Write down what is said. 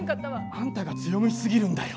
あんたが強虫すぎるんだよ。